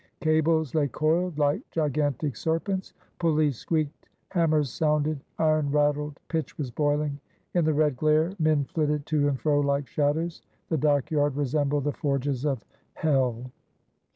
Cables lay coiled like gigantic serpents. Pulleys squeaked, hammers sounded, iron rattled, pitch was boiling. In the red glare men flitted to and fro like shadows. The dockyard resembled the forges of hell.